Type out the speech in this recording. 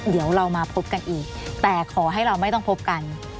เดี๋ยวเรามาพบกันอีกแต่ขอให้เราไม่ต้องพบกัน